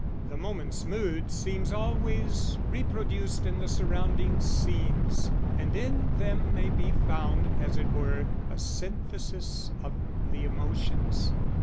The moment's mood seems always reproduced in the surrounding scenes, and in them may be found, as it were, a synthesis of the emotions.